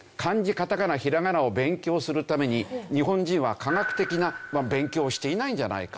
カタカナひらがなを勉強するために日本人は科学的な勉強をしていないんじゃないか。